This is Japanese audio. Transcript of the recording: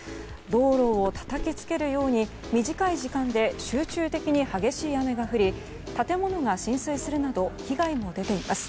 道路をたたきつけるように短い時間で集中的に激しい雨が降り建物が浸水するなど被害も出ています。